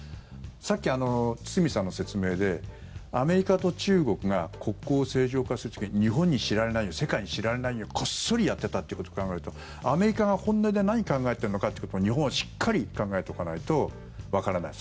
さっき、堤さんの説明でアメリカと中国が国交を正常化する時日本に知られないように世界に知られないようにこっそりやっていたということを考えるとアメリカが、本音で何を考えているのかということを日本はしっかり考えておかないとわからない。